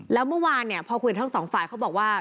แล้วเมื่อวานเนี่ยพอคุยกับทั้งสองฝ่ายเขาบอกว่า